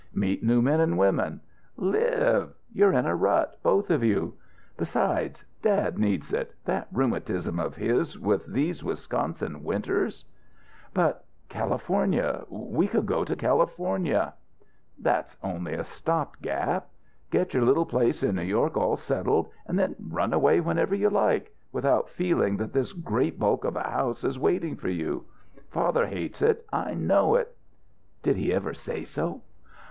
Meet new men and women. Live! You're in a rut both of you. Besides, dad needs it. That rheumatism of his, with these Wisconsin winters " "But California we could go to California " "That's only a stop gap. Get your little place in New York all settled, and then run away whenever you like, without feeling that this great bulk of a house is waiting for you. Father hates it; I know it." "Did he ever say so?"